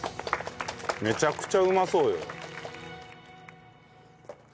めちゃくちゃうまそうよ。